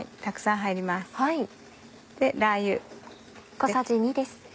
たくさん入ります。